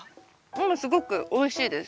うんすごくおいしいです。